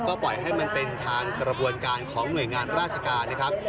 ก็ปล่อยให้มันเป็นทางกระบวนการของหน่วยงานราชการนะครับ